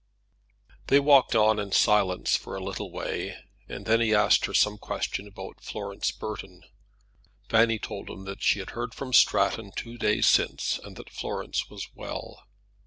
They walked on in silence for a little way, and then he asked her some question about Florence Burton. Fanny told him that she had heard from Stratton two days since, and that Florence was well.